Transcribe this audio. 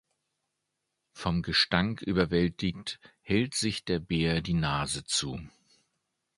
Vom Gestank überwältigt hält sich der Bär die Nase zu.